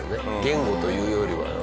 言語というよりは。